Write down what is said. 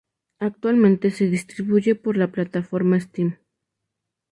Actualmente se distribuye por la plataforma steam.